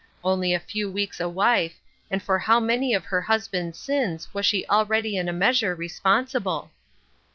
Only a few weeks a wife, and for how many of her husband's sins was she already in a measure responsible